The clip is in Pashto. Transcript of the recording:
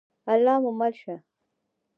الله مو مل شه؟